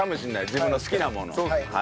自分の好きなものを。